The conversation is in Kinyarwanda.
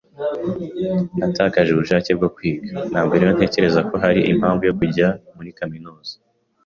Natakaje ubushake bwo kwiga, ntabwo rero ntekereza ko hari impamvu yo kujya muri kaminuza.